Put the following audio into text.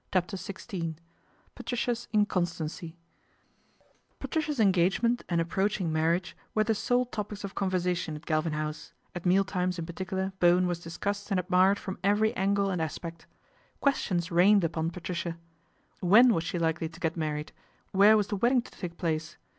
CHAPTER XVI PATRICIA'S INCONSTANCY PATRICIA'S engagement and approaching marriage were the sole topics of conversa tion at Galvin House, at meal times in ^articular Bowen was discussed and admired from every angle and aspect. Questions rained upon Patricia. When was she likely to get married ? Where was the wedding to take place